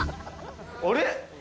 あれ？